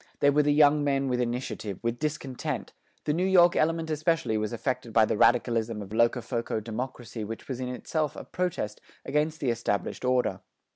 They were the young men with initiative, with discontent; the New York element especially was affected by the radicalism of Locofoco democracy which was in itself a protest against the established order.